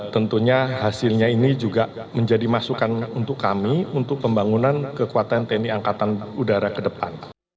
tentunya hasilnya ini juga menjadi masukan untuk kami untuk pembangunan kekuatan tni angkatan udara ke depan